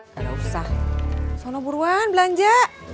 gak usah sono buruan belanja